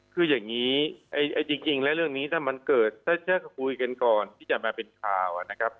คืออย่างนี้จริงแล้วเรื่องนี้ถ้ามันเกิดถ้าคุยกันก่อนที่จะมาเป็นข่าวนะครับ